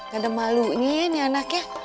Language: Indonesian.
gak ada malunya ya nih anaknya